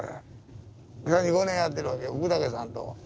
３５年やってるわけや福武さんと。